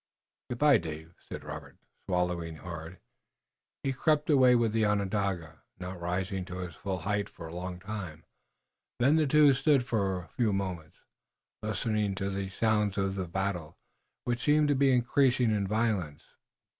"Good by, Dave," said Robert, swallowing hard. He crept away with the Onondaga, not rising to his full height for a long time. Then the two stood for a few moments, listening to the sounds of the battle, which seemed to be increasing in violence.